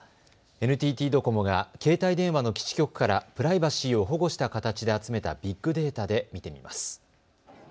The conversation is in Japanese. ＮＴＴドコモが携帯電話の基地局からプライバシーを保護した形で集めたビッグデータで見てみます。